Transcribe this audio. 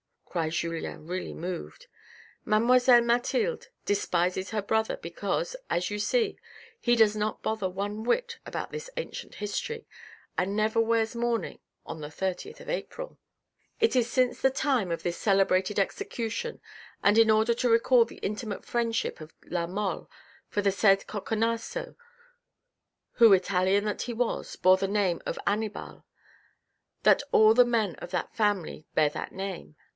" cried Julien really moved. " Mademoiselle Mathilde despises her brother because, as you see, he does not bother one whit about this ancient history, and never wears mourning on the thirtieth of April. It is since QUEEN MARGUERITE 309 the time of this celebrated execution and in order to recall the intimate friendship of La Mole for the said Coconasso, who Italian that he was, bore the name of Annibal that all the men of that family bear that name.